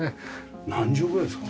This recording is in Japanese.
何畳ぐらいですか？